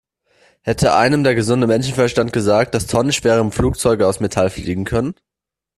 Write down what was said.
Hätte einem der gesunde Menschenverstand gesagt, dass tonnenschwere Flugzeuge aus Metall fliegen können?